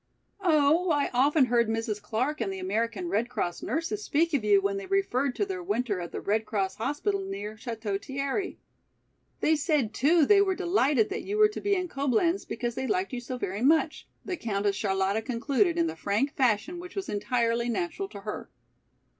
"Oh, I often heard Mrs. Clark and the American Red Cross nurses speak of you when they referred to their winter at the Red Cross hospital near Château Thierry. They said too they were delighted that you were to be in Coblenz because they liked you so very much," the Countess Charlotta concluded in the frank fashion which was entirely natural to her.